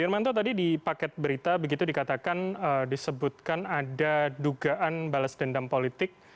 irmanto tadi di paket berita begitu dikatakan disebutkan ada dugaan balas dendam politik